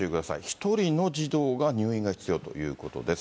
１人の児童が入院が必要ということです。